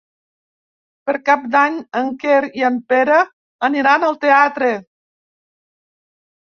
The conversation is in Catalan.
Per Cap d'Any en Quer i en Pere aniran al teatre.